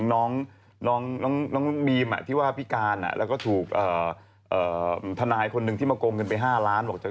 ตอนนี้แกช่วยเหลือตัวแกเองอีกหรอ